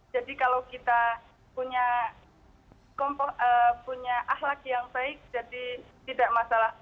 jadi kalau kita punya ahlak yang baik jadi tidak masalah